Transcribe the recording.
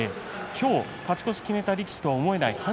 今日勝ち越しを決めた力士と思えないね。